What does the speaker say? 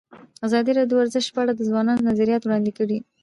ازادي راډیو د ورزش په اړه د ځوانانو نظریات وړاندې کړي.